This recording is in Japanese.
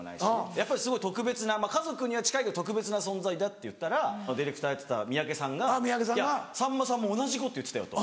やっぱりすごい特別な家族には近いけど特別な存在だって言ったらディレクターやってたミヤケさんが「さんまさんも同じこと言ってたよ」と。